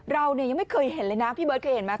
เราเนี่ยยังไม่เคยเห็นเลยนะพี่เบิร์ดเคยเห็นไหม